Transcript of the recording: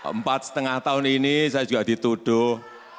empat setengah tahun ini saya juga dituduh